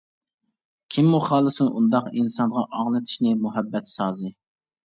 كىممۇ خالىسۇن ئۇنداق ئىنسانغا، ئاڭلىتىشنى مۇھەببەت سازى.